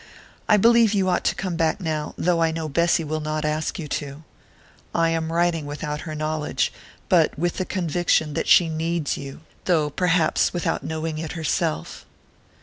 I believe you ought to come back now, though I know Bessy will not ask you to. I am writing without her knowledge, but with the conviction that she needs you, though perhaps without knowing it herself...."